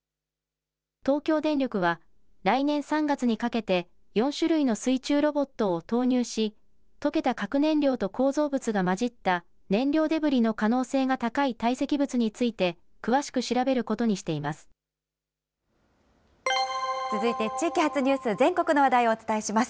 東京電力は、来年３月にかけて、４種類の水中ロボットを投入し、溶けた核燃料と構造物が混じった燃料デブリの可能性が高い堆積物について、詳しく調べることにしています。